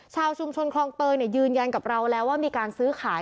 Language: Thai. ชาวชุมชนคลองเตยยืนยันกับเราแล้วว่ามีการซื้อขาย